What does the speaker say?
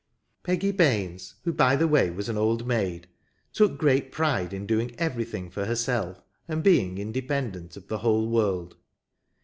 Peggy Baines (who by the way was an old maid) took great pride in doing everything for herself, and being independent of the whole world.